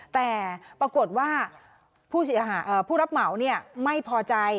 แต่ปรากฏว่าผู้รับเหมาไม่พอใจ